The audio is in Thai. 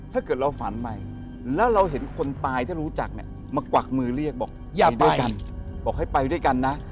ถ้าเกิดเราฝันใหม่แล้วเราเห็นคนตายที่รู้จักมากวักมือเรียกบอกให้ไปด้วยกัน